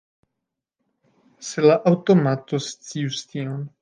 Se la aŭtomato scius tion!